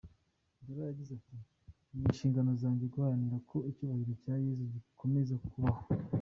Dola yagize ati ”Ni inshingano zanjye guharanira ko icyubahiro cya Yezu gikomeza kubahwa.